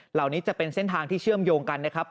เหล่านี้จะเป็นเส้นทางที่เชื่อมโยงกันนะครับ